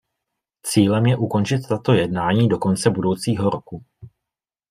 Cílem je ukončit tato jednání do konce budoucího roku.